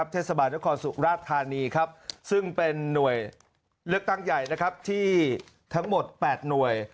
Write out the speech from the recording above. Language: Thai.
เทศบาลญกรสุราธารณีซึ่งเป็นหน่วยเลือกเวลาตั้งใหญ่ทั้ง๘หน่วย